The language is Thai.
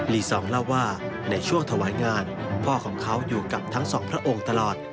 ีซองเล่าว่าในช่วงถวายงานพ่อของเขาอยู่กับทั้งสองพระองค์ตลอด